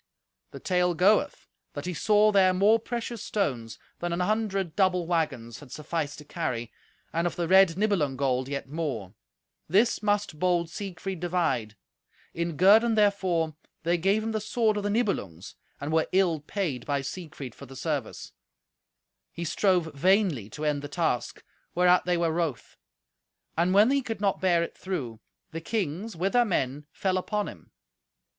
The tale goeth that he saw there more precious stones than an hundred double waggons had sufficed to carry, and of the red Nibelung gold yet more. This must bold Siegfried divide. In guerdon therefor they gave him the sword of the Nibelungs, and were ill paid by Siegfried for the service. He strove vainly to end the task, whereat they were wroth. And when he could not bear it through, the kings, with their men, fell upon him.